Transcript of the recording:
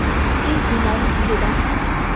იგი მას ხვდება.